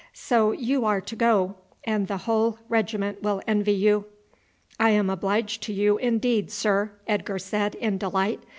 So you are to go, and the whole regiment will envy you." "I am obliged to you indeed, sir," Edgar said in delight.